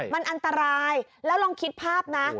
มันอันตรายแล้วลองคิดภาพนะ